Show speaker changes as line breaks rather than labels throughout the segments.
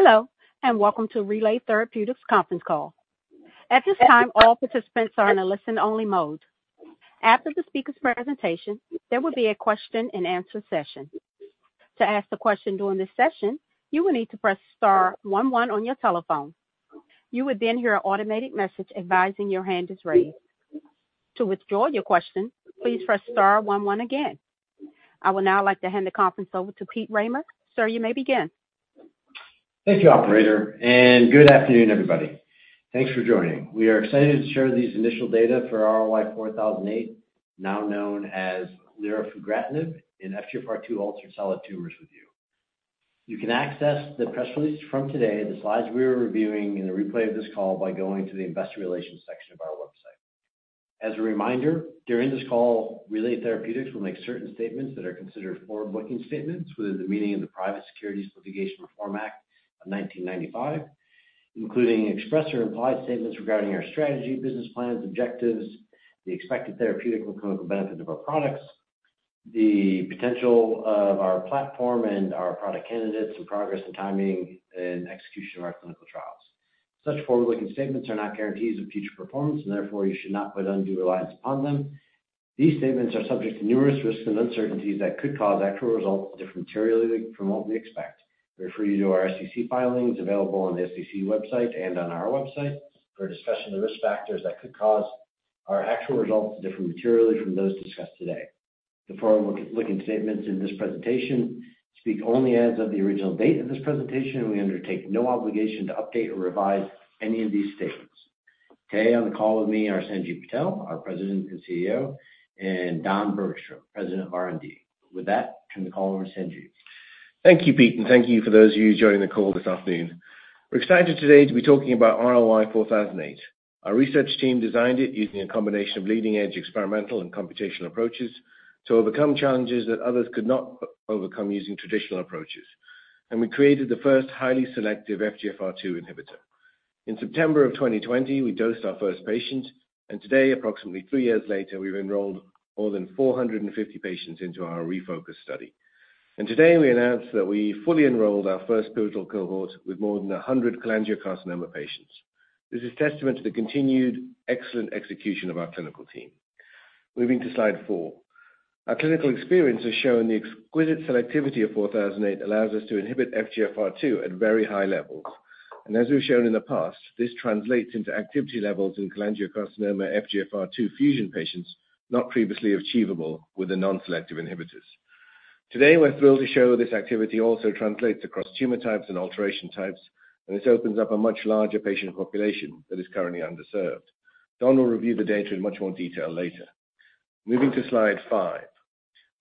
Hello, and welcome to Relay Therapeutics conference call. At this time, all participants are in a listen-only mode. After the speaker's presentation, there will be a question-and-answer session. To ask a question during this session, you will need to press star one one on your telephone. You would then hear an automated message advising your hand is raised. To withdraw your question, please press star one one again. I would now like to hand the conference over to Peter Rahmer. Sir, you may begin.
Thank you, operator, and good afternoon, everybody. Thanks for joining. We are excited to share these initial data for RLY-4008, now known as lirafugratinib, in FGFR2 altered solid tumors with you. You can access the press release from today, the slides we are reviewing, and the replay of this call by going to the investor relations section of our website. As a reminder, during this call, Relay Therapeutics will make certain statements that are considered forward-looking statements within the meaning of the Private Securities Litigation Reform Act of 1995, including express or implied statements regarding our strategy, business plans, objectives, the expected therapeutic or clinical benefit of our products, the potential of our platform and our product candidates, and progress and timing and execution of our clinical trials. Such forward-looking statements are not guarantees of future performance, and therefore you should not put undue reliance upon them. These statements are subject to numerous risks and uncertainties that could cause actual results to differ materially from what we expect. We refer you to our SEC filings available on the SEC website and on our website for discussing the risk factors that could cause our actual results to differ materially from those discussed today. The forward-looking statements in this presentation speak only as of the original date of this presentation, and we undertake no obligation to update or revise any of these statements. Today, on the call with me are Sanjiv Patel, our President and CEO, and Don Bergstrom, President of R&D. With that, turn the call over to Sanjiv.
Thank you, Pete, and thank you for those of you joining the call this afternoon. We're excited today to be talking about RLY-4008. Our research team designed it using a combination of leading-edge experimental and computational approaches to overcome challenges that others could not overcome using traditional approaches. We created the first highly selective FGFR2 inhibitor. In September of 2020, we dosed our first patient, and today, approximately three years later, we've enrolled more than 450 patients into our ReFocus study. Today, we announce that we fully enrolled our first pivotal cohort with more than 100 cholangiocarcinoma patients. This is testament to the continued excellent execution of our clinical team. Moving to Slide 4. Our clinical experience has shown the exquisite selectivity of 4008 allows us to inhibit FGFR2 at very high levels. As we've shown in the past, this translates into activity levels in cholangiocarcinoma FGFR2 fusion patients not previously achievable with the non-selective inhibitors. Today, we're thrilled to show this activity also translates across tumor types and alteration types, and this opens up a much larger patient population that is currently underserved. Don will review the data in much more detail later. Moving to Slide 5.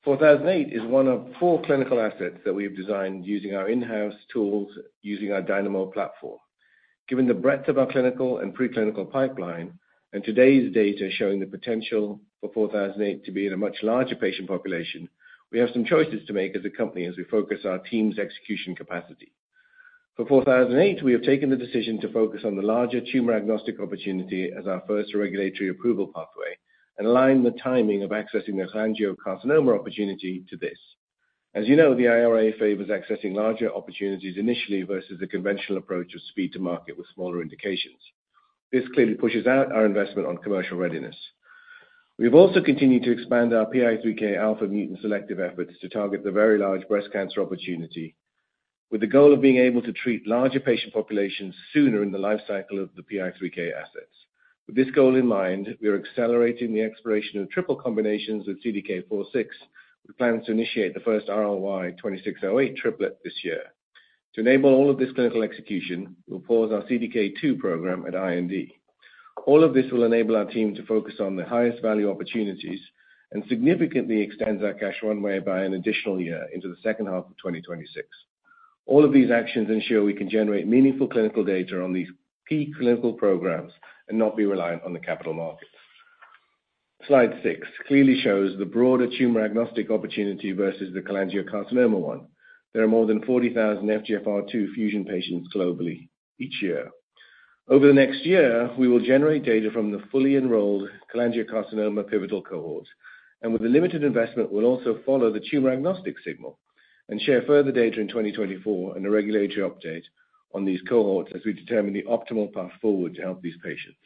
4008 is one of four clinical assets that we have designed using our in-house tools, using our Dynamo platform. Given the breadth of our clinical and preclinical pipeline, and today's data showing the potential for 4008 to be in a much larger patient population, we have some choices to make as a company as we focus our team's execution capacity. For RLY-4008, we have taken the decision to focus on the larger tumor-agnostic opportunity as our first regulatory approval pathway and align the timing of accessing the cholangiocarcinoma opportunity to this. As you know, the IRA favors accessing larger opportunities initially versus the conventional approach of speed to market with smaller indications. This clearly pushes out our investment on commercial readiness. We've also continued to expand our PI3Kα mutant selective efforts to target the very large breast cancer opportunity, with the goal of being able to treat larger patient populations sooner in the life cycle of the PI3K assets. With this goal in mind, we are accelerating the exploration of triple combinations with CDK4/6. We plan to initiate the first RLY-2608 triplet this year. To enable all of this clinical execution, we'll pause our CDK2 program at IND. All of this will enable our team to focus on the highest value opportunities and significantly extends our cash runway by an additional year into the second half of 2026. All of these actions ensure we can generate meaningful clinical data on these key clinical programs and not be reliant on the capital markets. Slide 6 clearly shows the broader tumor-agnostic opportunity versus the cholangiocarcinoma one. There are more than 40,000 FGFR2 fusion patients globally each year. Over the next year, we will generate data from the fully enrolled cholangiocarcinoma pivotal cohort, and with the limited investment, we'll also follow the tumor-agnostic signal and share further data in 2024 and a regulatory update on these cohorts as we determine the optimal path forward to help these patients.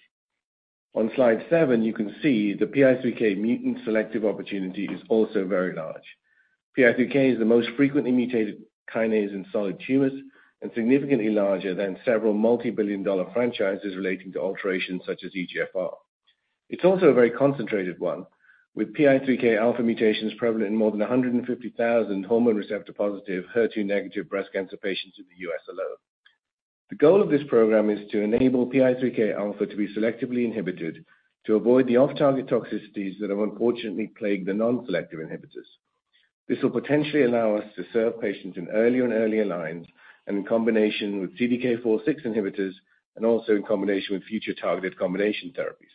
On Slide 7, you can see the PI3K mutant selective opportunity is also very large. PI3K is the most frequently mutated kinase in solid tumors and significantly larger than several multibillion-dollar franchises relating to alterations such as EGFR. It's also a very concentrated one, with PI3K alpha mutations prevalent in more than 150,000 hormone receptor-positive, HER2-negative breast cancer patients in the U.S. alone. The goal of this program is to enable PI3K alpha to be selectively inhibited to avoid the off-target toxicities that have unfortunately plagued the non-selective inhibitors. This will potentially allow us to serve patients in earlier and earlier lines and in combination with CDK4/6 inhibitors and also in combination with future targeted combination therapies.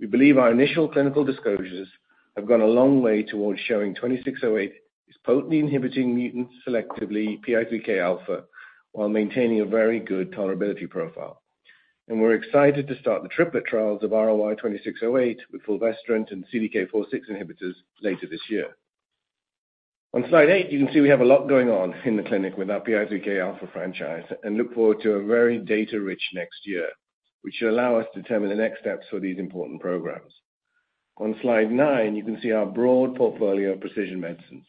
We believe our initial clinical disclosures have gone a long way towards showing 2608 is potently inhibiting mutants, selectively PI3K alpha, while maintaining a very good tolerability profile. We're excited to start the triplet trials of RLY-2608 with fulvestrant and CDK4/6 inhibitors later this year. On Slide 8, you can see we have a lot going on in the clinic with our PI3K alpha franchise and look forward to a very data-rich next year, which should allow us to determine the next steps for these important programs. On Slide 9, you can see our broad portfolio of precision medicines,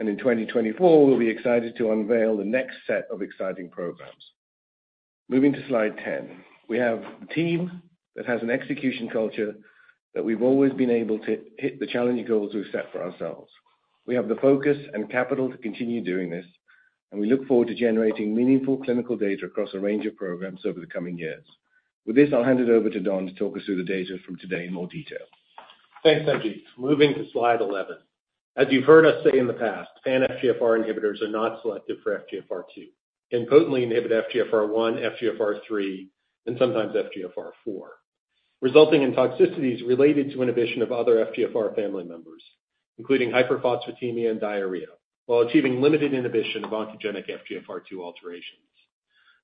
and in 2024, we'll be excited to unveil the next set of exciting programs. Moving to Slide 10. We have a team that has an execution culture that we've always been able to hit the challenging goals we've set for ourselves. We have the focus and capital to continue doing this, and we look forward to generating meaningful clinical data across a range of programs over the coming years. With this, I'll hand it over to Don to talk us through the data from today in more detail.
Thanks, Sanjiv. Moving to Slide 11. As you've heard us say in the past, pan-FGFR inhibitors are not selective for FGFR2 and potently inhibit FGFR1, FGFR3, and sometimes FGFR4, resulting in toxicities related to inhibition of other FGFR family members, including hyperphosphatemia and diarrhea, while achieving limited inhibition of oncogenic FGFR2 alterations.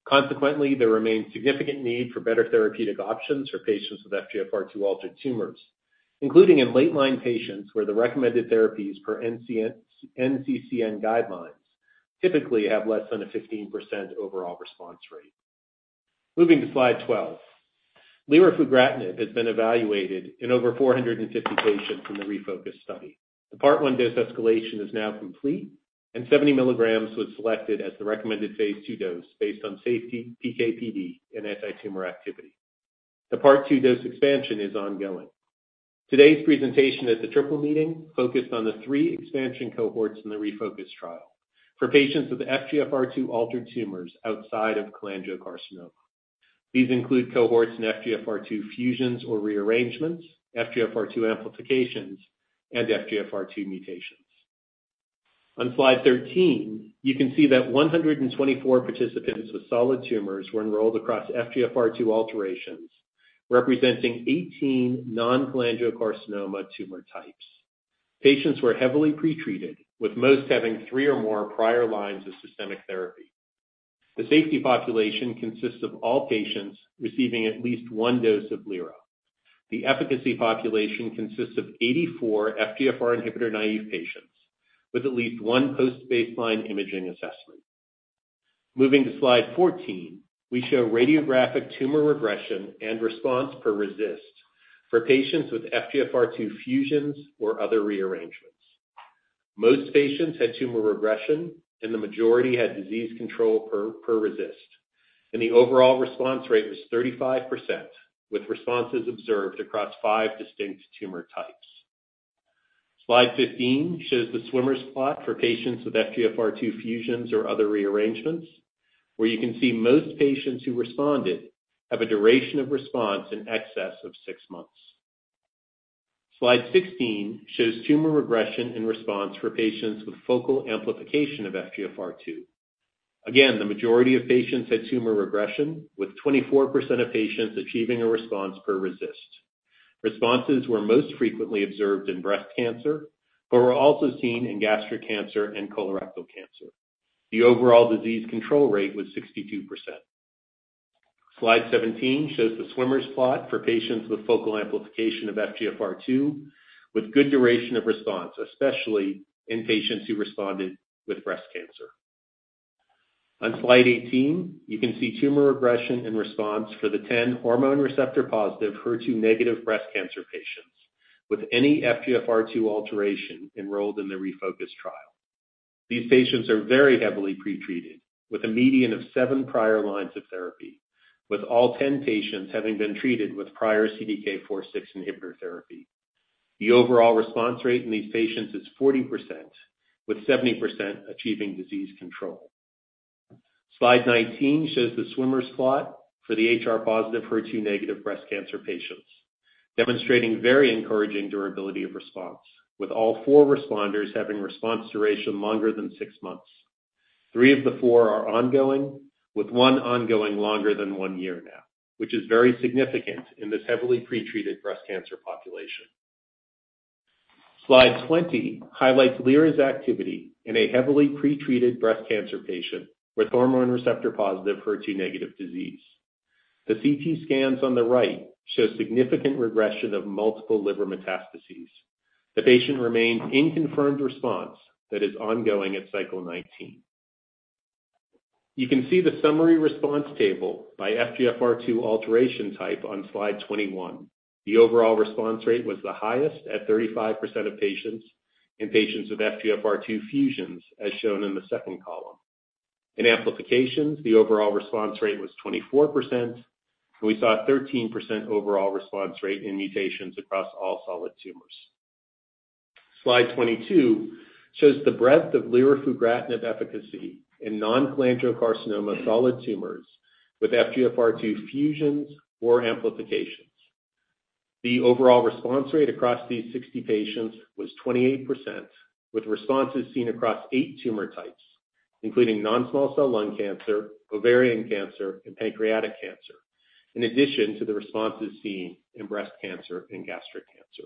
Consequently, there remains significant need for better therapeutic options for patients with FGFR2-altered tumors, including in late-line patients, where the recommended therapies per NCCN guidelines typically have less than a 15% overall response rate. Moving to Slide 12. Lirafugratinib has been evaluated in over 450 patients in the ReFocus study. The part one dose escalation is now complete, and 70 mg was selected as the recommended phase II dose, based on safety, PK/PD, and anti-tumor activity. The part two dose expansion is ongoing. Today's presentation at the Triple Meeting focused on the three expansion cohorts in the ReFocus trial for patients with FGFR2 altered tumors outside of cholangiocarcinoma. These include cohorts in FGFR2 fusions or rearrangements, FGFR2 amplifications, and FGFR2 mutations. On Slide 13, you can see that 124 participants with solid tumors were enrolled across FGFR2 alterations, representing 18 non-cholangiocarcinoma tumor types. Patients were heavily pretreated, with most having three or more prior lines of systemic therapy. The safety population consists of all patients receiving at least one dose of Lira. The efficacy population consists of 84 FGFR inhibitor-naive patients with at least one post-baseline imaging assessment. Moving to Slide 14, we show radiographic tumor regression and response per RECIST for patients with FGFR2 fusions or other rearrangements. Most patients had tumor regression, and the majority had disease control per RECIST, and the overall response rate was 35%, with responses observed across five distinct tumor types. Slide 15 shows the swimmer's plot for patients with FGFR2 fusions or other rearrangements, where you can see most patients who responded have a duration of response in excess of six months. Slide 16 shows tumor regression and response for patients with focal amplification of FGFR2. Again, the majority of patients had tumor regression, with 24% of patients achieving a response per RECIST. Responses were most frequently observed in breast cancer, but were also seen in gastric cancer and colorectal cancer. The overall disease control rate was 62%. Slide 17 shows the swimmer's plot for patients with focal amplification of FGFR2, with good duration of response, especially in patients who responded with breast cancer. On Slide 18, you can see tumor regression and response for the 10 hormone receptor-positive, HER2- breast cancer patients with any FGFR2 alteration enrolled in the ReFocus trial. These patients are very heavily pretreated, with a median of 7 prior lines of therapy, with all 10 patients having been treated with prior CDK4/6 inhibitor therapy. The overall response rate in these patients is 40%, with 70% achieving disease control. Slide 19 shows the swimmer's plot for the HR+/HER2- breast cancer patients, demonstrating very encouraging durability of response, with all 4 responders having response duration longer than 6 months. Three of the 4 are ongoing, with one ongoing longer than 1 year now, which is very significant in this heavily pretreated breast cancer population. Slide 20 highlights lirafugratinib's activity in a heavily pretreated breast cancer patient with hormone receptor-positive, HER2- disease. The CT scans on the right show significant regression of multiple liver metastases. The patient remains in confirmed response that is ongoing at cycle 19. You can see the summary response table by FGFR2 alteration type on Slide 21. The overall response rate was the highest at 35% of patients, in patients with FGFR2 fusions, as shown in the second column. In amplifications, the overall response rate was 24%, and we saw a 13% overall response rate in mutations across all solid tumors. Slide 22 shows the breadth of lirafugratinib efficacy in non-cholangiocarcinoma solid tumors with FGFR2 fusions or amplifications. The overall response rate across these 60 patients was 28%, with responses seen across eight tumor types, including non-small cell lung cancer, ovarian cancer, and pancreatic cancer, in addition to the responses seen in breast cancer and gastric cancer.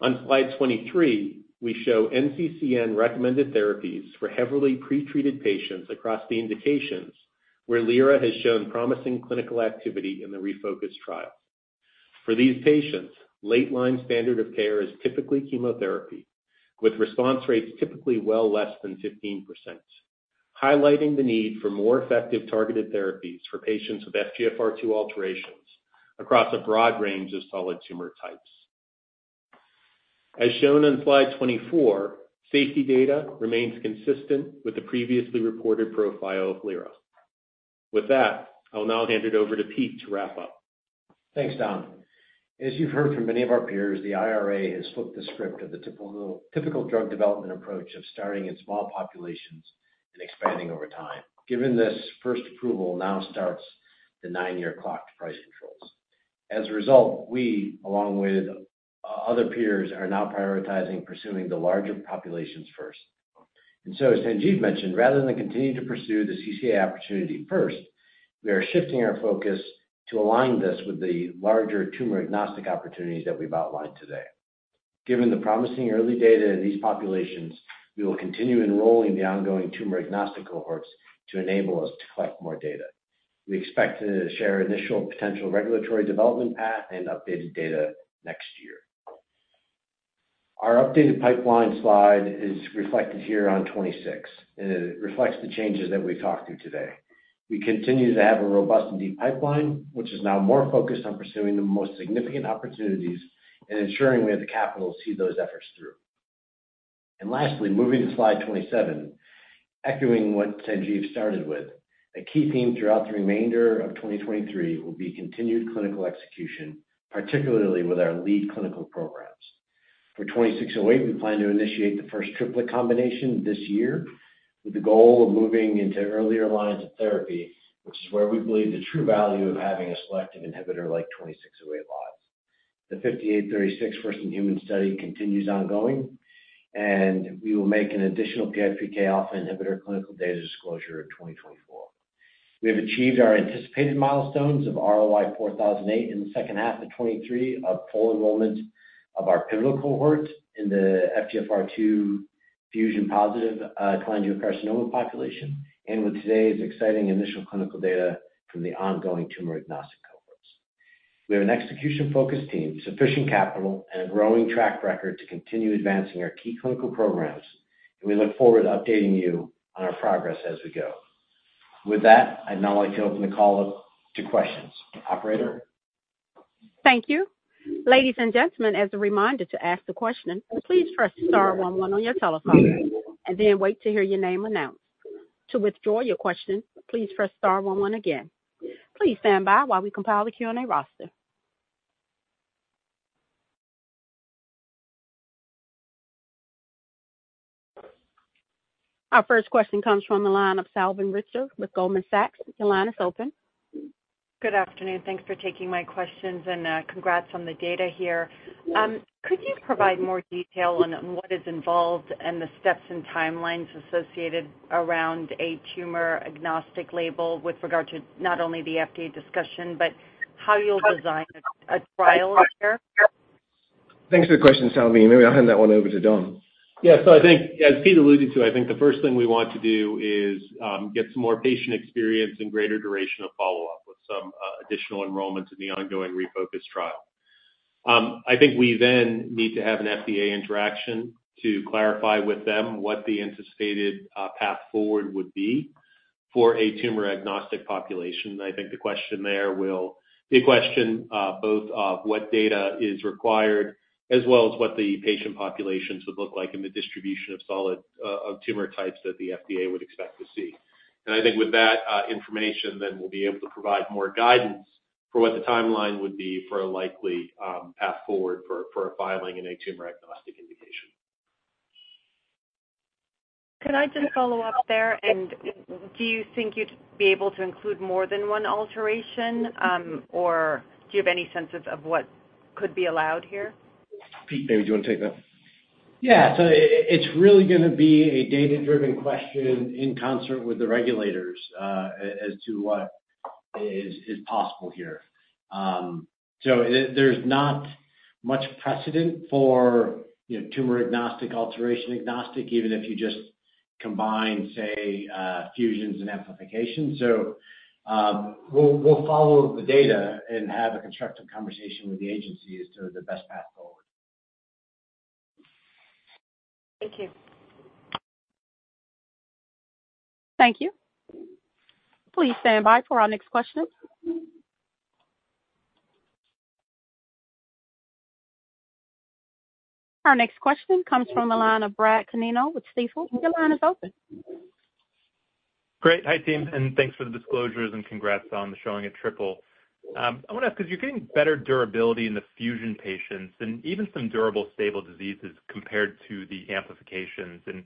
On Slide 23, we show NCCN-recommended therapies for heavily pretreated patients across the indications where Lira has shown promising clinical activity in the ReFocus trial. For these patients, late-line standard of care is typically chemotherapy, with response rates typically well less than 15%, highlighting the need for more effective targeted therapies for patients with FGFR2 alterations across a broad range of solid tumor types. As shown on Slide 24, safety data remains consistent with the previously reported profile of Lira. With that, I'll now hand it over to Pete to wrap up.
Thanks, Don. As you've heard from many of our peers, the IRA has flipped the script of the typical, typical drug development approach of starting in small populations and expanding over time, given this first approval now starts the nine-year clock to price controls. As a result, we, along with other peers, are now prioritizing pursuing the larger populations first. So as Sanjiv mentioned, rather than continue to pursue the CCA opportunity first, we are shifting our focus to align this with the larger tumor-agnostic opportunities that we've outlined today. Given the promising early data in these populations, we will continue enrolling the ongoing tumor-agnostic cohorts to enable us to collect more data. We expect to share initial potential regulatory development path and updated data next year. Our updated pipeline slide is reflected here on 26, and it reflects the changes that we talked through today. We continue to have a robust and deep pipeline, which is now more focused on pursuing the most significant opportunities and ensuring we have the capital to see those efforts through. Lastly, moving to Slide 27, echoing what Sanjiv started with, a key theme throughout the remainder of 2023 will be continued clinical execution, particularly with our lead clinical programs. For 2608, we plan to initiate the first triplet combination this year with the goal of moving into earlier lines of therapy, which is where we believe the true value of having a selective inhibitor like 2608 lies. The 5836 first-in-human study continues ongoing, and we will make an additional PI3K alpha inhibitor clinical data disclosure in 2024. We have achieved our anticipated milestones of RLY-4008 in the second half of 2023 of full enrollment of our pivotal cohorts in the FGFR2 fusion-positive, cholangiocarcinoma population, and with today's exciting initial clinical data from the ongoing tumor-agnostic cohorts. We have an execution-focused team, sufficient capital, and a growing track record to continue advancing our key clinical programs, and we look forward to updating you on our progress as we go. With that, I'd now like to open the call up to questions. Operator?
Thank you. Ladies and gentlemen, as a reminder, to ask a question, please press star one one on your telephone and then wait to hear your name announced. To withdraw your question, please press star one one again. Please stand by while we compile the Q&A roster. Our first question comes from the line of Salveen Richter with Goldman Sachs. Your line is open.
Good afternoon, thanks for taking my questions, and, congrats on the data here. Could you provide more detail on what is involved and the steps and timelines associated around a tumor-agnostic label with regard to not only the FDA discussion, but how you'll design a trial here?
Thanks for the question, Salveen. Maybe I'll hand that one over to Don.
Yeah. So I think, as Pete alluded to, I think the first thing we want to do is, get some more patient experience and greater duration of follow-up with some, additional enrollments in the ongoing ReFocus trial. I think we then need to have an FDA interaction to clarify with them what the anticipated, path forward would be for a tumor-agnostic population. I think the question there will be a question, both of what data is required, as well as what the patient populations would look like in the distribution of solid, of tumor types that the FDA would expect to see. And I think with that, information, then we'll be able to provide more guidance for what the timeline would be for a likely, path forward for, for a filing in a tumor-agnostic indication.
Can I just follow up there, and do you think you'd be able to include more than one alteration, or do you have any sense of what could be allowed here?
Pete, maybe do you want to take that?
Yeah. So it's really gonna be a data-driven question in concert with the regulators, as to what is possible here. So there's not much precedent for, you know, tumor-agnostic, alteration-agnostic, even if you just combine, say, fusions and amplification. So we'll follow the data and have a constructive conversation with the agency as to the best path forward.
Thank you.
Thank you. Please stand by for our next question. Our next question comes from the line of Brad Canino with Stifel. Your line is open.
Great. Hi, team, and thanks for the disclosures, and congrats on the showing at Triple. I want to ask, because you're getting better durability in the fusion patients and even some durable, stable diseases compared to the amplifications, and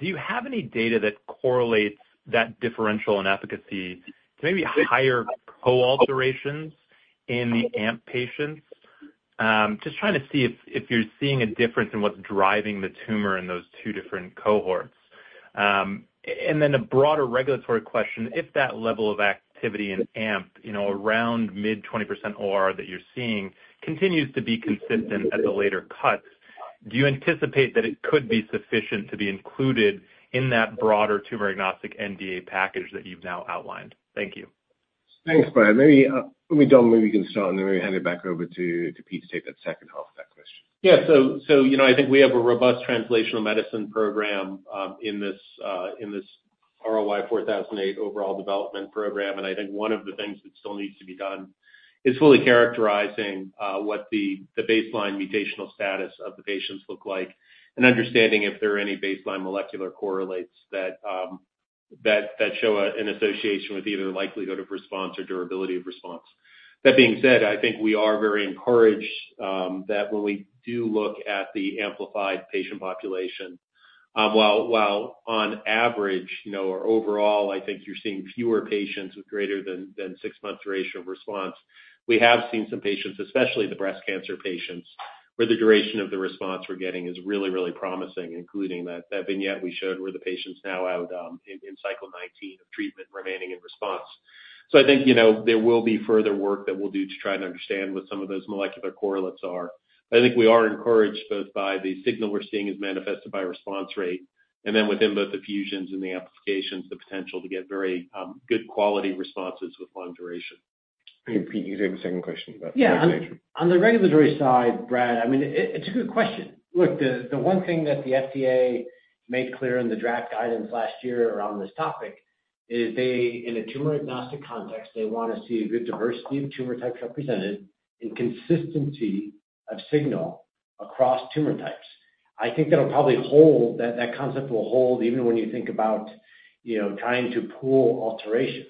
do you have any data that correlates that differential in efficacy to maybe higher co-alterations in the amp patients? Just trying to see if, if you're seeing a difference in what's driving the tumor in those two different cohorts. And then a broader regulatory question, if that level of activity in amp, you know, around mid-20% ORR that you're seeing continues to be consistent at the later cuts, do you anticipate that it could be sufficient to be included in that broader tumor-agnostic NDA package that you've now outlined? Thank you.
Thanks, Brad. Maybe, maybe, Don, maybe you can start, and then we hand it back over to, to Pete to take that second half of that question.
Yeah. So, you know, I think we have a robust translational medicine program in this RLY-4008 overall development program. And I think one of the things that still needs to be done is fully characterizing what the baseline mutational status of the patients look like, and understanding if there are any baseline molecular correlates that show an association with either the likelihood of response or durability of response. That being said, I think we are very encouraged that when we do look at the amplified patient population, while on average, you know, or overall, I think you're seeing fewer patients with greater than six months duration of response. We have seen some patients, especially the breast cancer patients, where the duration of the response we're getting is really, really promising, including that vignette we showed where the patient's now out in cycle 19 of treatment remaining in response. So I think, you know, there will be further work that we'll do to try and understand what some of those molecular correlates are. But I think we are encouraged both by the signal we're seeing is manifested by response rate, and then within both the fusions and the amplifications, the potential to get very good quality responses with long duration.
Okay, Pete, you take the second question about regulatory.
Yeah. On the regulatory side, Brad, I mean, it's a good question. Look, the one thing that the FDA made clear in the draft guidance last year around this topic is they, in a tumor-agnostic context, want to see a good diversity of tumor types represented and consistency of signal across tumor types. I think that'll probably hold, that concept will hold even when you think about, you know, trying to pool alterations.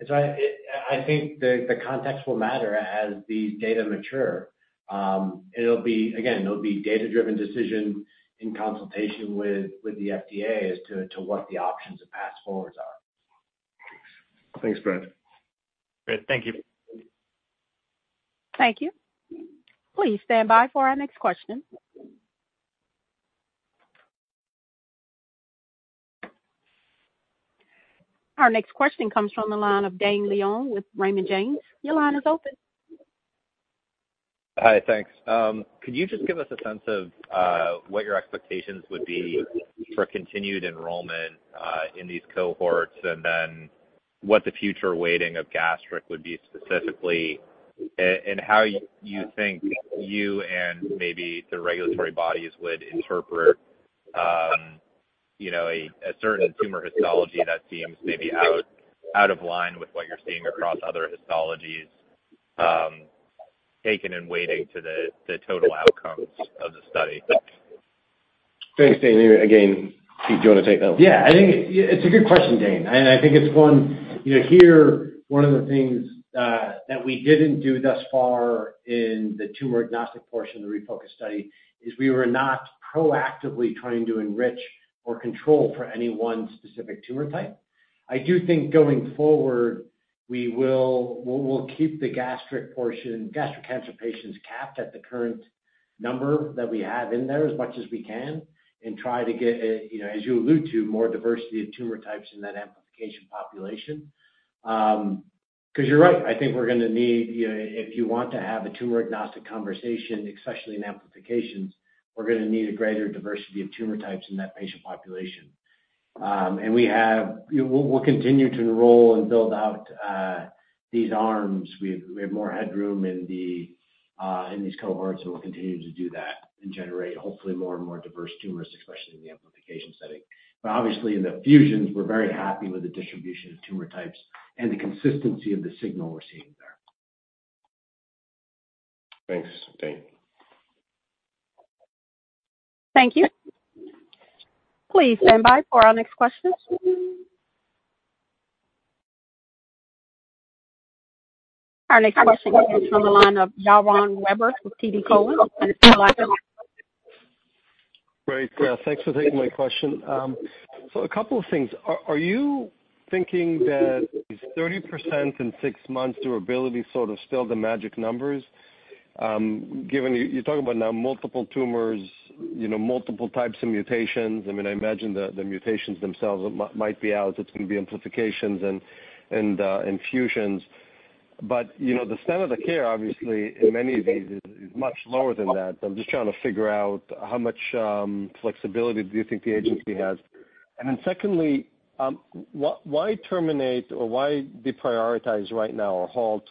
I think the context will matter as the data mature. It'll be, again, a data-driven decision in consultation with the FDA as to what the options and paths forwards are.
Thanks, Brad.
Great. Thank you.
Thank you. Please stand by for our next question. Our next question comes from the line of Dane Leone with Raymond James. Your line is open.
Hi, thanks. Could you just give us a sense of what your expectations would be for continued enrollment in these cohorts, and then what the future weighting of gastric would be specifically? And how you think you and maybe the regulatory bodies would interpret, you know, a certain tumor histology that seems maybe out of line with what you're seeing across other histologies, taken in weighting to the total outcomes of the study?
Thanks, Dane. Again, Pete, do you want to take that one?
Yeah, I think it, it's a good question, Dane, and I think it's one, you know, here, one of the things that we didn't do thus far in the tumor-agnostic portion of the ReFocus study is we were not proactively trying to enrich or control for any one specific tumor type. I do think going forward, we will- we'll, we'll keep the gastric portion, gastric cancer patients capped at the current number that we have in there as much as we can, and try to get, you know, as you allude to, more diversity of tumor types in that amplification population. 'Cause you're right, I think we're gonna need, you know, if you want to have a tumor-agnostic conversation, especially in amplifications, we're gonna need a greater diversity of tumor types in that patient population. And we have—we'll continue to enroll and build out these arms. We have more headroom in these cohorts, and we'll continue to do that and generate, hopefully, more and more diverse tumors, especially in the amplification setting. But obviously, in the fusions, we're very happy with the distribution of tumor types and the consistency of the signal we're seeing there.
Thanks, Dane.
Thank you. Please stand by for our next question. Our next question comes from the line of Yaron Werber with TD Cowen, and your line is open.
Great. Yeah, thanks for taking my question. So a couple of things. Are you thinking that 30% in 6 months durability is sort of still the magic numbers? Given you're talking about now multiple tumors, you know, multiple types of mutations. I mean, I imagine the mutations themselves might be out. It's going to be amplifications and fusions. But you know, the standard of care, obviously, in many of these is much lower than that. I'm just trying to figure out how much flexibility do you think the agency has? And then secondly, why terminate or why deprioritize right now or halt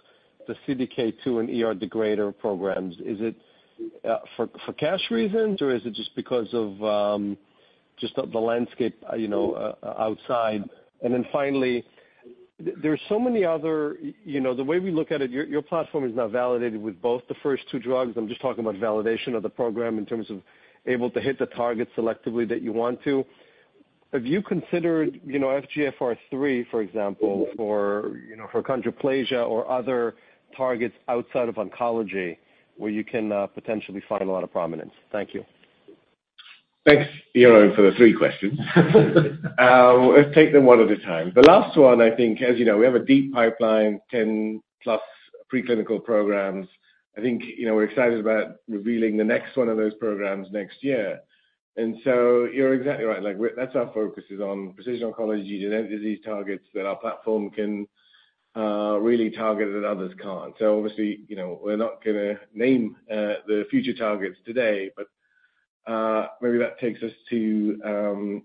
the CDK2 and ER degrader programs? Is it for cash reasons, or is it just because of just the landscape, you know, outside? And then finally, there are so many other—you know, the way we look at it, your, your platform is now validated with both the first two drugs. I'm just talking about validation of the program in terms of able to hit the target selectively that you want to. Have you considered, you know, FGFR3, for example, or, you know, achondroplasia or other targets outside of oncology, where you can potentially find a lot of prominence? Thank you.
Thanks, Yaron, for the three questions. Let's take them one at a time. The last one, I think, as you know, we have a deep pipeline, 10+ preclinical programs. I think, you know, we're excited about revealing the next one of those programs next year. And so you're exactly right. Like, we're—that's our focus is on precision oncology and disease targets that our platform can really target that others can't. So obviously, you know, we're not gonna name the future targets today, but maybe that takes us to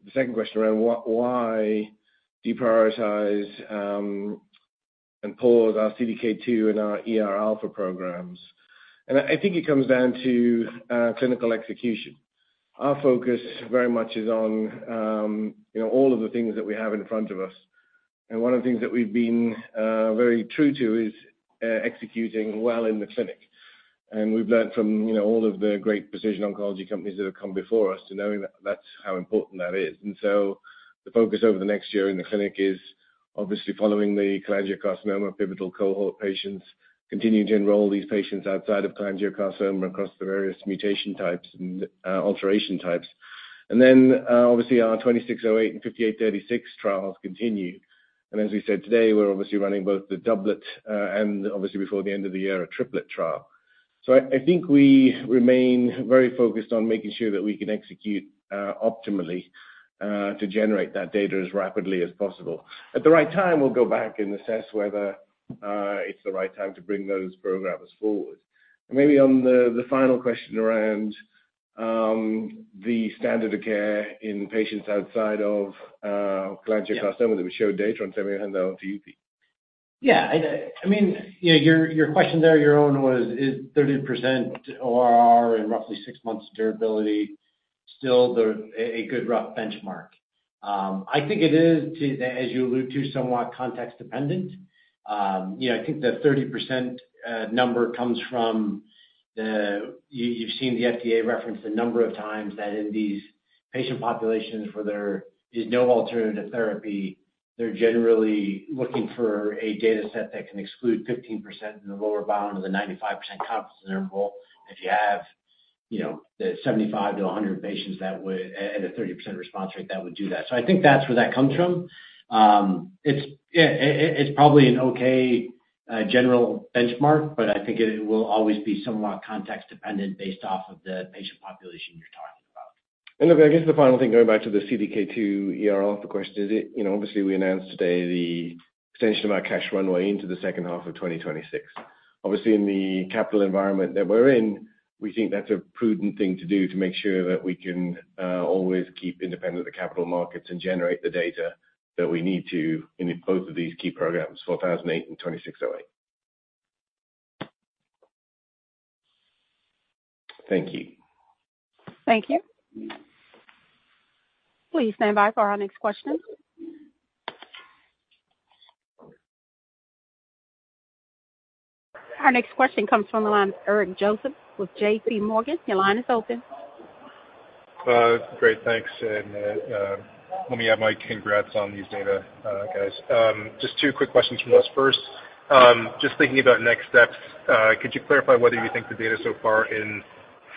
the second question around why deprioritize and pause our CDK2 and our ER alpha programs. And I think it comes down to clinical execution. Our focus very much is on, you know, all of the things that we have in front of us. And one of the things that we've been very true to is executing well in the clinic. And we've learned from, you know, all of the great precision oncology companies that have come before us to knowing that's how important that is. And so the focus over the next year in the clinic is obviously following the cholangiocarcinoma pivotal cohort patients, continuing to enroll these patients outside of cholangiocarcinoma across the various mutation types and alteration types. And then obviously, our 26-08 and 58-36 trials continue. And as we said today, we're obviously running both the doublet and obviously, before the end of the year, a triplet trial. So I, I think we remain very focused on making sure that we can execute optimally to generate that data as rapidly as possible. At the right time, we'll go back and assess whether it's the right time to bring those programs forward. And maybe on the final question around the standard of care in patients outside of cholangiocarcinoma, that we showed data on, so I'm going to hand that on to you, Pete.
Yeah, I mean, you know, your, your question there, your own was, is 30% ORR and roughly six months durability, still the, a, a good rough benchmark? I think it is, too, as you allude to, somewhat context-dependent. You know, I think the 30%, number comes from the—you, you've seen the FDA reference a number of times that in these patient populations where there is no alternative therapy, they're generally looking for a dataset that can exclude 15% in the lower bound of the 95% confidence interval. If you have, you know, the 75-100 patients, that would, at a 30% response rate, that would do that. So I think that's where that comes from. It's probably an okay general benchmark, but I think it will always be somewhat context-dependent based off of the patient population you're talking about.
And look, I guess the final thing, going back to the CDK2 ER alpha question, is it—you know, obviously, we announced today the extension of our cash runway into the second half of 2026. Obviously, in the capital environment that we're in, we think that's a prudent thing to do to make sure that we can always keep independent of the capital markets and generate the data that we need to in both of these key programs, 4008 and 2608. Thank you.
Thank you. Please stand by for our next question. Our next question comes from the line of Eric Joseph with J.P. Morgan. Your line is open.
Great, thanks. And, let me add my congrats on these data, guys. Just two quick questions from us. First, just thinking about next steps, could you clarify whether you think the data so far in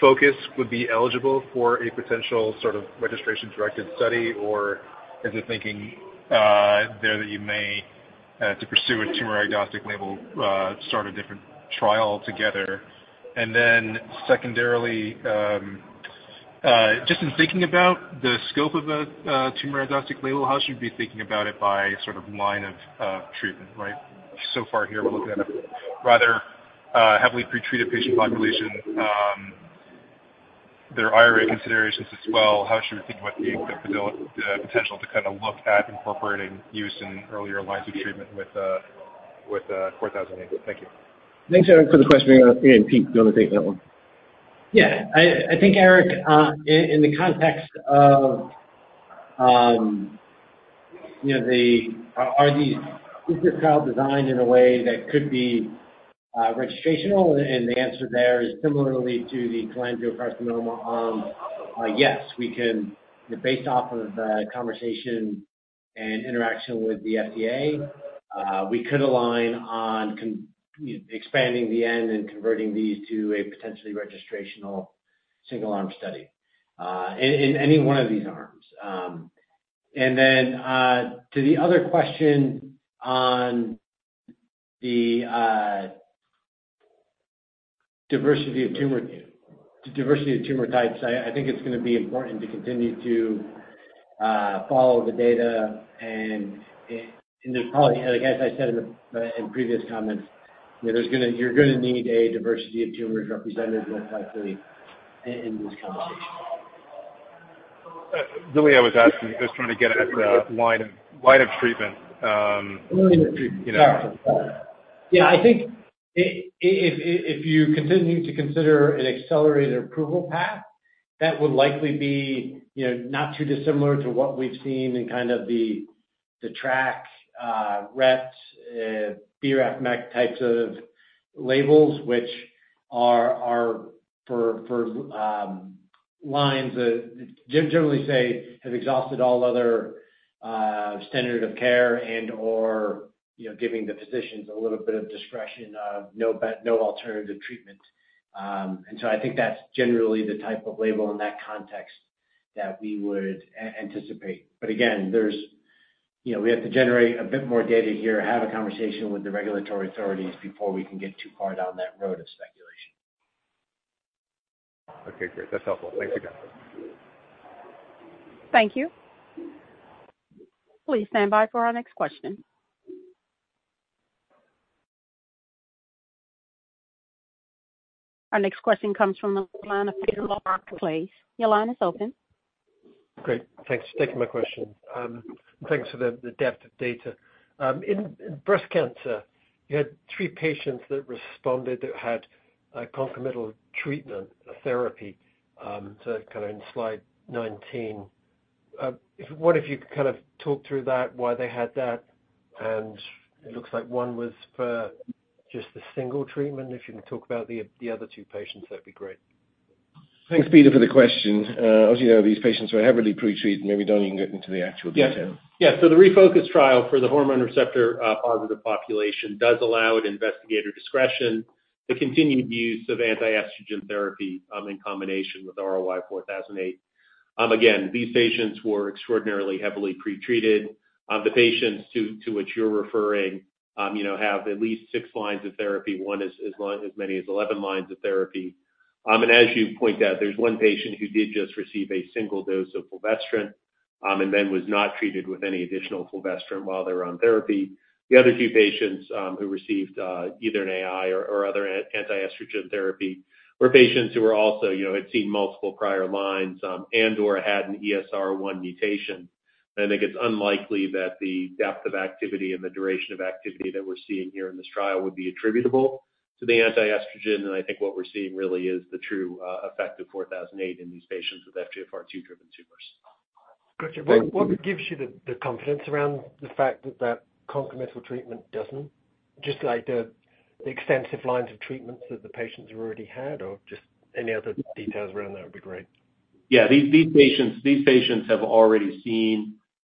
ReFocus would be eligible for a potential sort of registration-directed study? Or is the thinking there that you may to pursue a tumor-agnostic label, start a different trial altogether? Then secondarily, just in thinking about the scope of the tumor-agnostic label, how should we be thinking about it by sort of line of treatment, right? So far here, we're looking at a rather heavily pretreated patient population. There are IRA considerations as well. How should we think about the potential to kind of look at incorporating use in earlier lines of treatment with 4008? Thank you.
Thanks, Eric, for the question. Yeah, Pete, do you want to take that one?
Yeah. I, I think, Eric, in, in the context of, you know, the—is this trial designed in a way that could be, registrational? And the answer there is similarly to the cholangiocarcinoma arm, yes, we can. Based off of the conversation and interaction with the FDA, we could align on you know, expanding the end and converting these to a potentially registrational single-arm study, in, in any one of these arms. And then, to the other question on the, diversity of tumor, diversity of tumor types, I, I think it's gonna be important to continue to, follow the data. And, and, and there's probably, like, as I said in the, in previous comments, you know, there's gonna—you're gonna need a diversity of tumors represented most likely in this conversation.
Really, I was asking, just trying to get a line of treatment, you know?
Yeah, I think if you continue to consider an accelerated approval path, that would likely be, you know, not too dissimilar to what we've seen in kind of the TRK, RET, BRAF/MEK types of labels, which are for lines that generally say, have exhausted all other standard of care and/or, you know, giving the physicians a little bit of discretion of no alternative treatment. I think that's generally the type of label in that context that we would anticipate. Again, you know, we have to generate a bit more data here, have a conversation with the regulatory authorities before we can get too far down that road of speculation.
Okay, great. That's helpful. Thanks again.
Thank you. Please stand by for our next question. Our next question comes from the line of Peter Markey. Your line is open.
Great. Thanks. Thank you for my question. Thanks for the depth of data. In breast cancer, you had three patients that responded that had a concomitant treatment therapy, so kind of in Slide 19. I wonder if you could kind of talk through that, why they had that, and it looks like one was for just a single treatment. If you can talk about the other two patients, that'd be great.
Thanks, Peter, for the question. As you know, these patients were heavily pretreated, maybe Don will get into the actual detail.
Yes. Yes, so the ReFocus trial for the hormone receptor-positive population does allow at investigator discretion, the continued use of anti-estrogen therapy in combination with RLY-4008. Again, these patients were extraordinarily heavily pretreated. The patients to which you're referring, you know, have at least six lines of therapy, one is as many as eleven lines of therapy. And as you point out, there's one patient who did just receive a single dose of fulvestrant, and then was not treated with any additional fulvestrant while they were on therapy. The other two patients who received either an AI or other anti-estrogen therapy were patients who were also, you know, had seen multiple prior lines and/or had an ESR1 mutation. I think it's unlikely that the depth of activity and the duration of activity that we're seeing here in this trial would be attributable to the anti-estrogen, and I think what we're seeing really is the true effect of 4008 in these patients with FGFR2-driven tumors.
Got you. What gives you the confidence around the fact that that concomitant treatment doesn't? Just like the extensive lines of treatments that the patients have already had, or just any other details around that would be great.
Yeah. These patients, these patients have already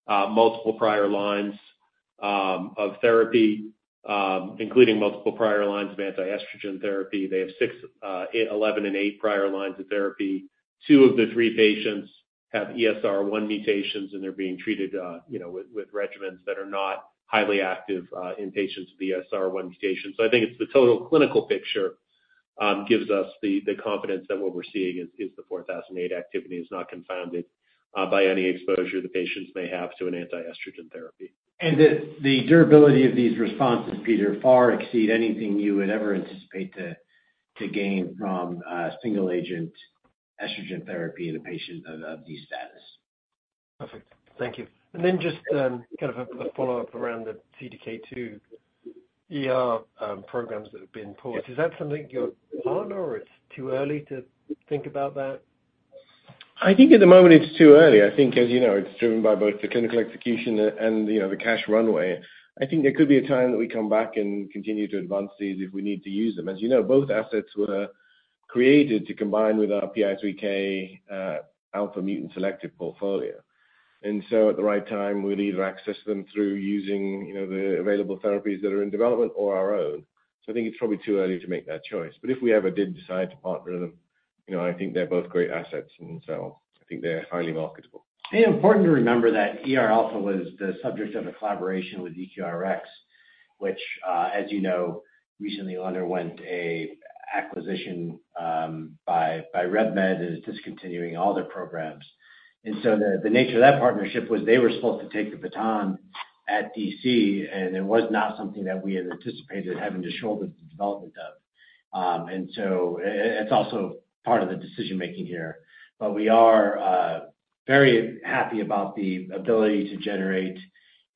seen multiple prior lines of therapy, including multiple prior lines of anti-estrogen therapy. They have 6, 11 and 8 prior lines of therapy. Two of the three patients have ESR1 mutations, and they're being treated, you know, with regimens that are not highly active in patients with ESR1 mutations. I think it's the total clinical picture gives us the confidence that what we're seeing is the 4008 activity is not confounded by any exposure the patients may have to an anti-estrogen therapy.
And the durability of these responses, Peter, far exceed anything you would ever anticipate to gain from single agent estrogen therapy in a patient of these status.
Perfect. Thank you. And then just kind of a follow-up around the CDK2 ER programs that have been paused. Is that something you're on, or it's too early to think about that?
I think at the moment it's too early. I think, as you know, it's driven by both the clinical execution and, you know, the cash runway. I think there could be a time that we come back and continue to advance these if we need to use them. As you know, both assets were created to combine with our PI3K alpha mutant selective portfolio. And so at the right time, we'll either access them through using, you know, the available therapies that are in development or our own. So I think it's probably too early to make that choice. But if we ever did decide to partner them, you know, I think they're both great assets, and so I think they're highly marketable.
Important to remember that ER alpha was the subject of a collaboration with EQRx, which, as you know, recently underwent an acquisition by RevMed and is discontinuing all their programs. The nature of that partnership was they were supposed to take the baton at DC, and it was not something that we had anticipated having to shoulder the development of. It's also part of the decision making here. We are very happy about the ability to generate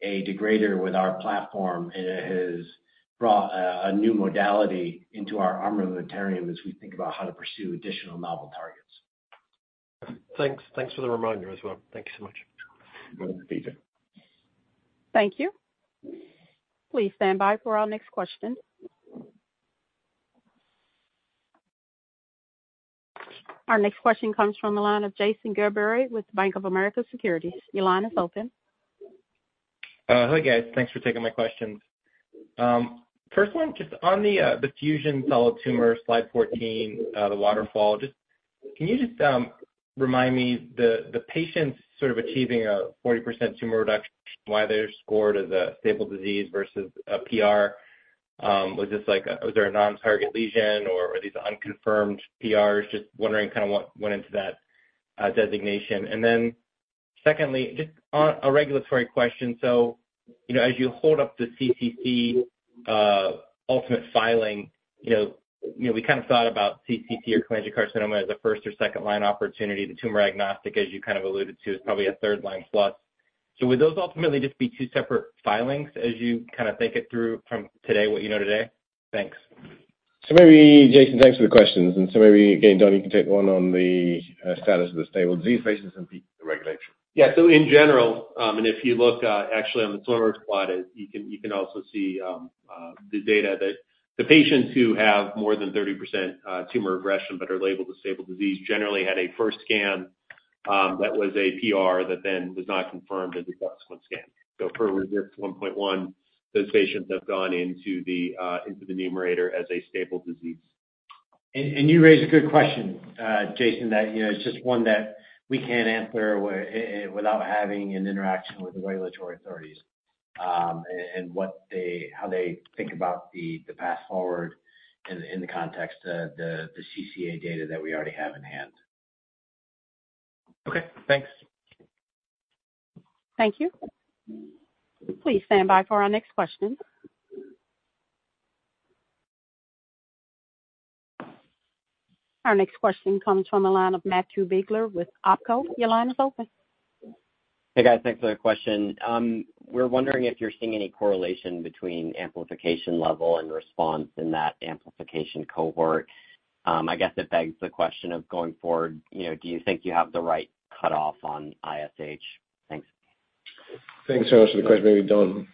a degrader with our platform, and it has brought a new modality into our armamentarium as we think about how to pursue additional novel targets.
Thanks. Thanks for the reminder as well. Thank you so much.
You're welcome, Peter.
Thank you. Please stand by for our next question. Our next question comes from the line of Jason Gerberry with Bank of America Securities. Your line is open.
Hi, guys. Thanks for taking my questions. First one, just on the fusion solid tumor, Slide 14, the waterfall. Just—can you just remind me, the patients sort of achieving a 40% tumor reduction, why they're scored as a stable disease versus a PR? Was this like a—was there a non-target lesion, or are these unconfirmed PRs? Just wondering kind of what went into that designation. Secondly, just on a regulatory question. You know, as you hold up the CCC, ultimate filing, you know, we kind of thought about CCC or cholangiocarcinoma as a first or second line opportunity. The tumor agnostic, as you kind of alluded to, is probably a third line slot. Would those ultimately just be two separate filings as you kind of think it through from today, what you know today? Thanks.
So maybe, Jason, thanks for the questions. And so maybe, again, Don, you can take one on the status of the stable disease patients and the regulation.
Yeah. So in general, and if you look, actually on the tumor plot, you can, you can also see, the data that the patients who have more than 30% tumor regression, but are labeled as stable disease, generally had a first scan, that was a PR, that then was not confirmed in the subsequent scan. So for RECIST 1.1, those patients have gone into the, into the numerator as a stable disease. And you raise a good question, Jason, that, you know, it's just one that we can't answer without having an interaction with the regulatory authorities, and how they think about the path forward in the context of the CCA data that we already have in hand.
Okay, thanks.
Thank you. Please stand by for our next question. Our next question comes from the line of Matthew Biegler with Oppenheimer. Your line is open.
Hey, guys. Thanks for the question. We're wondering if you're seeing any correlation between amplification level and response in that amplification cohort. I guess it begs the question of going forward, you know, do you think you have the right cutoff on ISH? Thanks.
Thanks so much for the question. Maybe Don?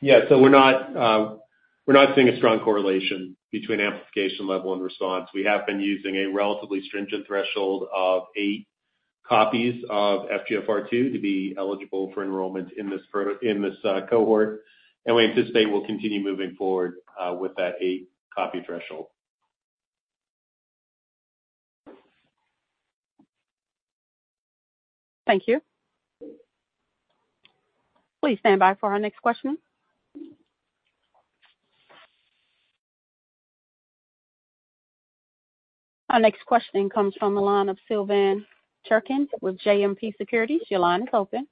Yeah. So we're not seeing a strong correlation between amplification level and response. We have been using a relatively stringent threshold of eight copies of FGFR2 to be eligible for enrollment in this cohort, and we anticipate we'll continue moving forward with that eight-copy threshold.
Thank you. Please stand by for our next question. Our next question comes from the line of Silvan Türkcan with JMP Securities. Your line is open.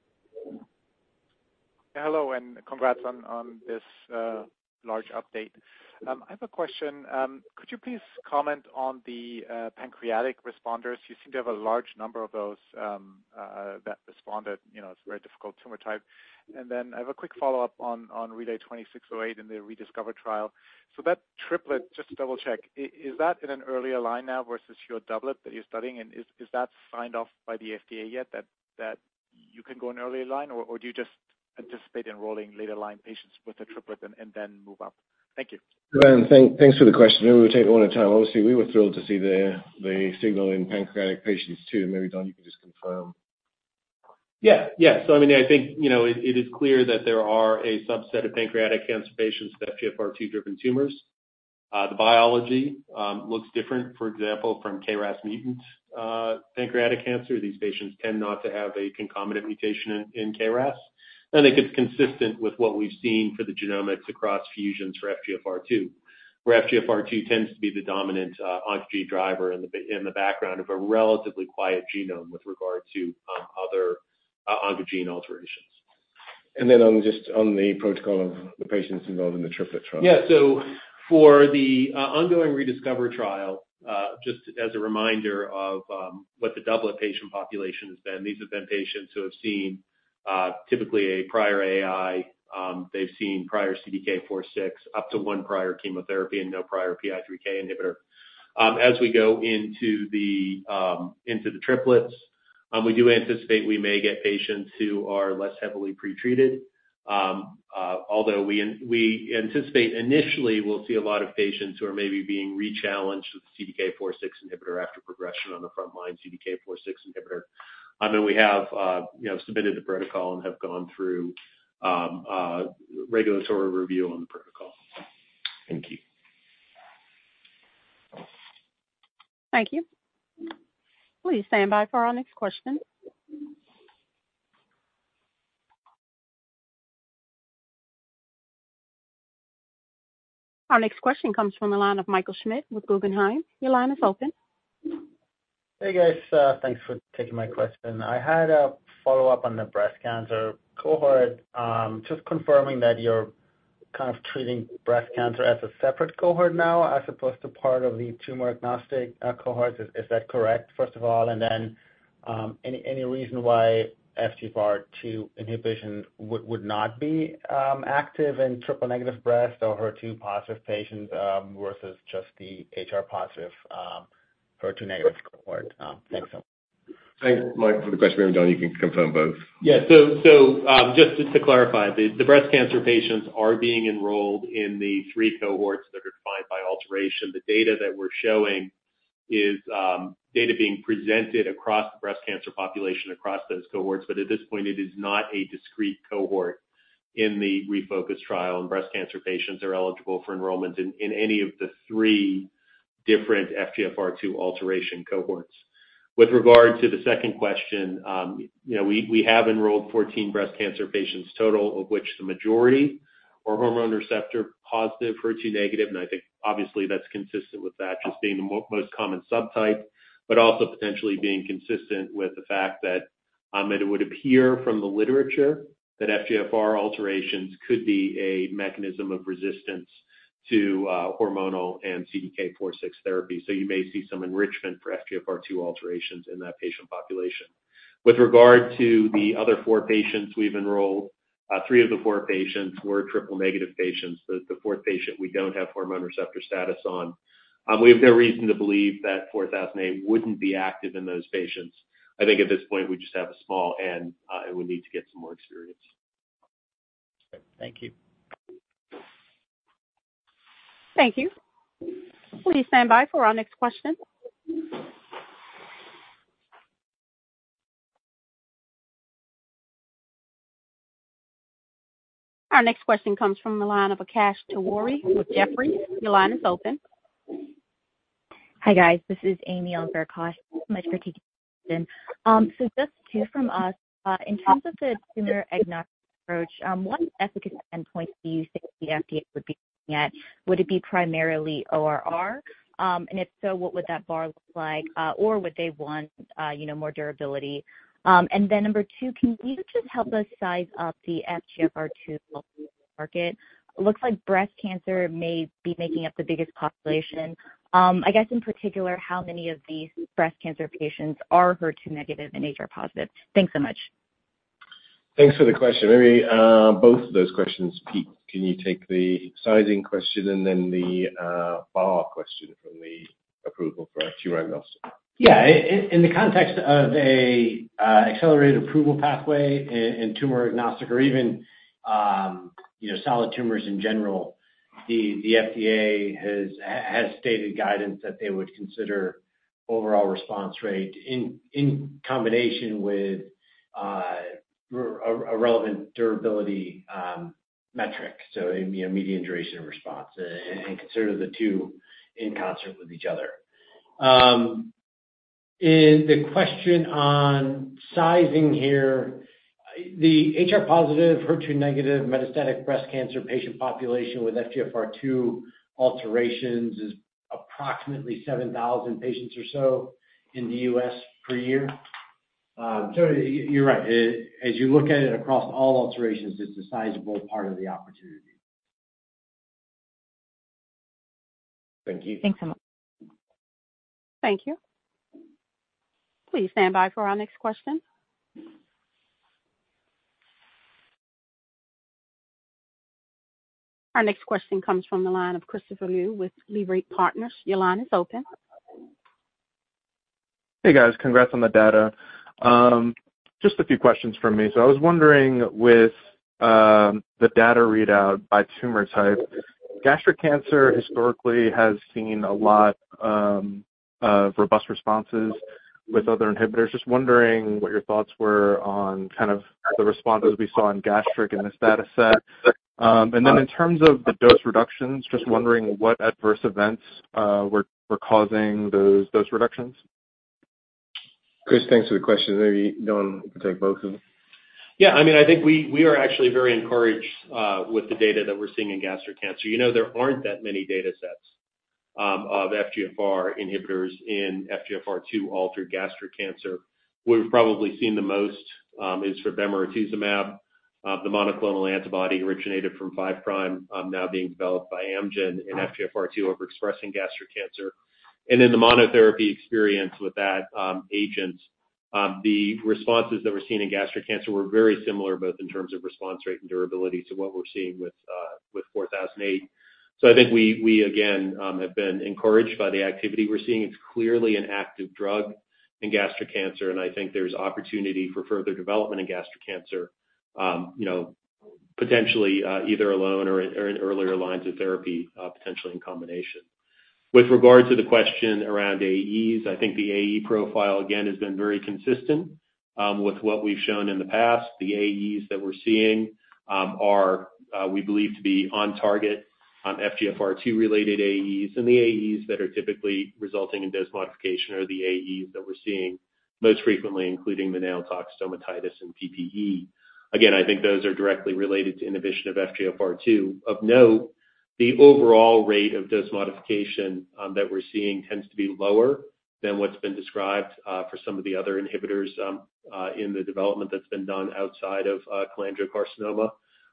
Hello, and congrats on this large update. I have a question. Could you please comment on the pancreatic responders? You seem to have a large number of those that responded. You know, it's a very difficult tumor type. And then I have a quick follow-up on Relay 2608 and the ReDiscover trial. So that triplet, just to double check, is that in an earlier line now versus your doublet that you're studying? And is that signed off by the FDA yet, that you can go in earlier line, or do you just anticipate enrolling later line patients with a triplet and then move up? Thank you.
Silvan, thanks for the question. Maybe we'll take one at a time. Obviously, we were thrilled to see the signal in pancreatic patients, too. Maybe, Don, you can just confirm.
Yeah. Yeah. So I mean, I think, you know, it is clear that there are a subset of pancreatic cancer patients, FGFR2-driven tumors. The biology looks different, for example, from KRAS mutant pancreatic cancer. These patients tend not to have a concomitant mutation in KRAS. I think it's consistent with what we've seen for the genomics across fusions for FGFR2, where FGFR2 tends to be the dominant oncogene driver in the background of a relatively quiet genome with regard to other oncogene alterations.
And then just on the protocol of the patients involved in the triplet trial.
Yeah. So for the ongoing ReDiscover trial, just as a reminder of what the doublet patient population has been, these have been patients who have seen typically a prior AI. They've seen prior CDK4/6, up to one prior chemotherapy and no prior PI3K inhibitor. As we go into the triplets, we do anticipate we may get patients who are less heavily pretreated. Although we anticipate initially we'll see a lot of patients who are maybe being rechallenged with CDK4/6 inhibitor after progression on the frontline CDK4/6 inhibitor. I mean, we have, you know, submitted the protocol and have gone through regulatory review on the protocol.
Thank you.
Thank you. Please stand by for our next question. Our next question comes from the line of Michael Schmidt with Guggenheim. Your line is open.
Hey, guys. Thanks for taking my question. I had a follow-up on the breast cancer cohort. Just confirming that you're kind of treating breast cancer as a separate cohort now, as opposed to part of the tumor-agnostic cohorts. Is that correct, first of all? And then, any reason why FGFR2 inhibition would not be active in triple-negative breast or HER2-positive patients, versus just the HR-positive, HER2-negative cohort? Thanks so much.
Thanks, Mike, for the question. Don, you can confirm both.
Yeah. So, just to clarify, the breast cancer patients are being enrolled in the three cohorts that are defined by alteration. The data that we're showing is data being presented across the breast cancer population, across those cohorts, but at this point, it is not a discrete cohort in the ReFocus trial, and breast cancer patients are eligible for enrollment in any of the three different FGFR2 alteration cohorts. With regard to the second question, you know, we have enrolled 14 breast cancer patients total, of which the majority are hormone receptor-positive, HER2 negative. And I think obviously that's consistent with that just being the most common subtype, but also potentially being consistent with the fact that it would appear from the literature that FGFR alterations could be a mechanism of resistance to hormonal and CDK4/6 therapy. So you may see some enrichment for FGFR2 alterations in that patient population. With regard to the other four patients we've enrolled, three of the four patients were triple-negative patients. The fourth patient, we don't have hormone receptor status on. We have no reason to believe that RLY-4008 wouldn't be active in those patients. I think at this point, we just have a small N, and we need to get some more experience.
Thank you.
Thank you. Please stand by for our next question. Our next question comes from the line of Akash Tewari with Jefferies. Your line is open.
Hi, guys. This is Amy on for Akash, my strategic assistant. So just two from us. In terms of the tumor-agnostic approach, what efficacy endpoint do you think the FDA would be looking at? Would it be primarily ORR? And if so, what would that bar look like? Or would they want, you know, more durability? And then number two, can you just help us size up the FGFR2 market? It looks like breast cancer may be making up the biggest population. I guess in particular, how many of these breast cancer patients are HER2-negative and HR-positive? Thanks so much.
Thanks for the question. Maybe both of those questions, Pete, can you take the sizing question and then the bar question from the approval for our tumor-agnostic?
Yeah. In the context of an accelerated approval pathway and tumor-agnostic or even, you know, solid tumors in general, the FDA has stated guidance that they would consider overall response rate in combination with a relevant durability metric, so, you know, median duration of response, and consider the two in concert with each other. In the question on sizing here, the HR-positive, HER2-negative metastatic breast cancer patient population with FGFR2 alterations is approximately 7,000 patients or so in the U.S. per year. So you're right. As you look at it across all alterations, it's a sizable part of the opportunity.
Thank you.
Thanks so much.
Thank you. Please stand by for our next question. Our next question comes from the line of Christopher Liu with Leerink Partners. Your line is open.
Hey, guys. Congrats on the data. Just a few questions from me. So I was wondering, with the data readout by tumor type, gastric cancer historically has seen a lot of robust responses with other inhibitors. Just wondering what your thoughts were on kind of the responses we saw in gastric in this data set. And then in terms of the dose reductions, just wondering what adverse events were causing those dose reductions.
Chris, thanks for the question. Maybe, Don, you can take both of them.
Yeah, I mean, I think we are actually very encouraged, you know, with the data that we're seeing in gastric cancer. You know, there aren't that many datasets of FGFR inhibitors in FGFR2-altered gastric cancer. We've probably seen the most is for bemarituzumab, the monoclonal antibody originated from Five Prime, now being developed by Amgen in FGFR2 overexpressing gastric cancer. In the monotherapy experience with that agent, the responses that we're seeing in gastric cancer were very similar, both in terms of response rate and durability to what we're seeing with 4008. I think we, again, have been encouraged by the activity we're seeing. It's clearly an active drug in gastric cancer, and I think there's opportunity for further development in gastric cancer, you know, potentially, either alone or in, or in earlier lines of therapy, potentially in combination. With regard to the question around AEs, I think the AE profile, again, has been very consistent, with what we've shown in the past. The AEs that we're seeing, are, we believe to be on target on FGFR2-related AEs, and the AEs that are typically resulting in dose modification are the AEs that we're seeing most frequently, including the nail tox, stomatitis, and PPE. Again, I think those are directly related to inhibition of FGFR2. Of note, the overall rate of dose modification that we're seeing tends to be lower than what's been described for some of the other inhibitors in the development that's been done outside of cholangiocarcinoma.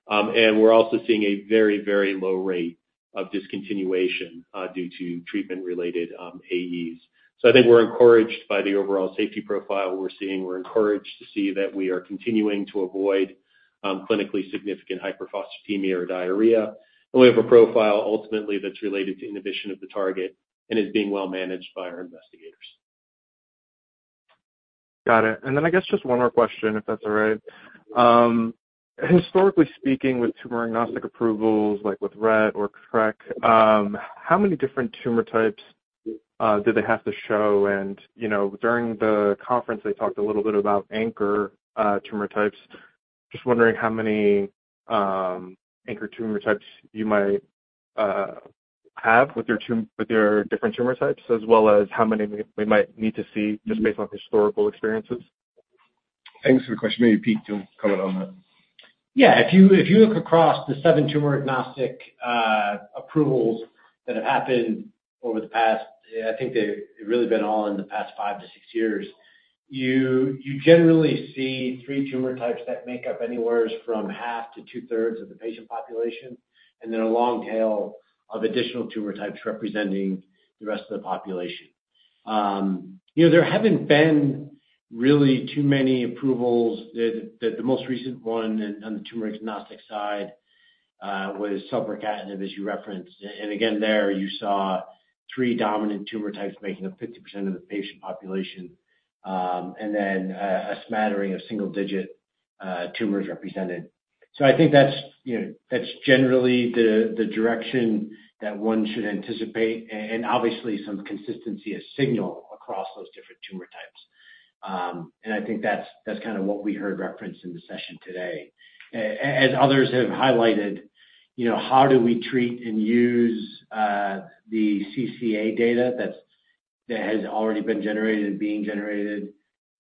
And we're also seeing a very, very low rate of discontinuation due to treatment-related AEs. So I think we're encouraged by the overall safety profile we're seeing. We're encouraged to see that we are continuing to avoid clinically significant hyperphosphatemia or diarrhea, and we have a profile ultimately that's related to inhibition of the target and is being well managed by our investigators.
Got it. And then I guess just one more question, if that's all right. Historically speaking, with tumor-agnostic approvals, like with RET or TRK, how many different tumor types do they have to show? And, you know, during the conference, they talked a little bit about anchor tumor types. Just wondering how many anchor tumor types you might have with your different tumor types, as well as how many we might need to see just based on historical experiences.
Thanks for the question. Maybe Pete can comment on that.
Yeah. If you look across the 7 tumor-agnostic approvals that have happened over the past, I think they've really been all in the past 5-6 years, you generally see three tumor types that make up anywhere from half to two-thirds of the patient population, and then a long tail of additional tumor types representing the rest of the population. You know, there haven't been really too many approvals, the most recent one on the tumor-agnostic side was selpercatinib, as you referenced. And again, there you saw three dominant tumor types making up 50% of the patient population, and then a smattering of single-digit tumors represented. So I think that's, you know, that's generally the direction that one should anticipate, and obviously some consistency of signal across those different tumor types. And I think that's kind of what we heard referenced in the session today. As others have highlighted, you know, how do we treat and use the CCA data that has already been generated and being generated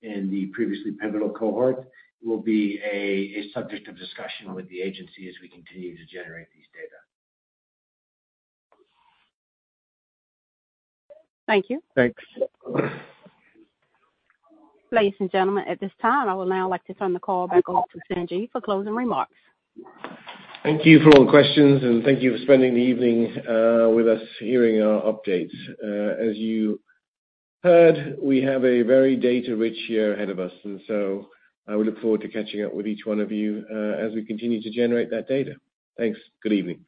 in the previously pivotal cohort, will be a subject of discussion with the agency as we continue to generate these data.
Thank you.
Thanks.
Ladies and gentlemen, at this time, I would now like to turn the call back over to Sanjiv for closing remarks.
Thank you for all the questions, and thank you for spending the evening with us, hearing our updates. As you heard, we have a very data-rich year ahead of us, and so I look forward to catching up with each one of you as we continue to generate that data. Thanks. Good evening.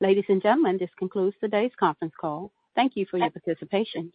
Ladies and gentlemen, this concludes today's conference call. Thank you for your participation.